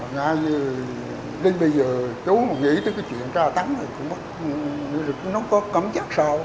ngay đến bây giờ chú mà nghĩ tới cái chuyện tra tấn nó có cảm giác sao